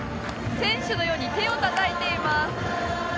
選手のように手をたたいています。